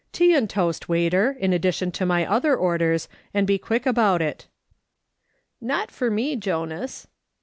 Tea and toast, waiter, in addition to my other orders, and be quick about it." " Not for me, Jonas."